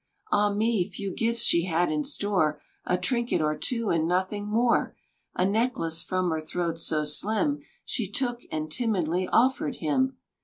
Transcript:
Ah, me, few gifts she had in store A trinket or two, and nothing more! A necklace from her throat so slim She took, and timidly offered him.